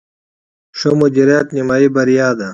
ښه مدیریت، نیمایي بریا ده